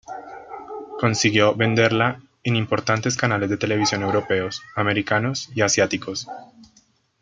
Consiguió venderla en importantes canales de televisión europeos, americanos y asiáticos.